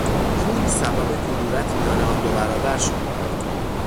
پول، سبب کدورت میان آن دو برادر شد.